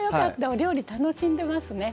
お料理楽しんでますね。